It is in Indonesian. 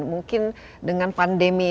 mungkin dengan pandemi ini